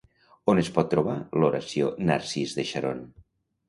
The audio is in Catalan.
On es pot trobar l'oració "narcís de Xaron"?